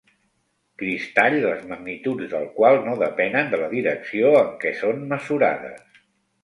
Cristall les magnituds del qual no depenen de la direcció en què són mesurades.